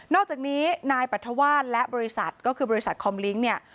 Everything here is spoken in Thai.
อกจากนี้นายปรัฐวาสและบริษัทก็คือบริษัทคอมลิ้งเนี่ย